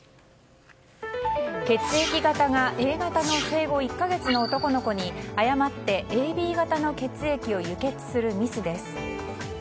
血液型がＡ型の生後１か月の男の子に誤ってＡＢ型の血液を輸血するミスです。